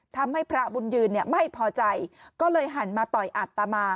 พระบุญยืนไม่พอใจก็เลยหันมาต่อยอัตมา